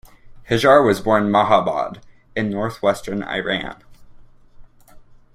Hejar was born in Mahabad in north-western Iran.